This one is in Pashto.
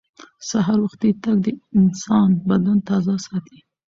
سهار وختي تګ د انسان بدن تازه ساتي